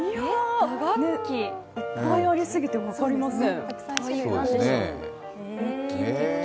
打楽器、いっぱいありすぎて分かりません。